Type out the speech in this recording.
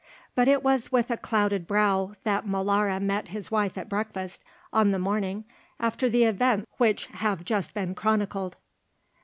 But it was with a clouded brow that Molara met his wife at breakfast on the morning after the events which have just been chronicled.